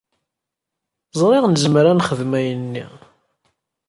Ẓriɣ nezmer ad nexdem ayen-nni.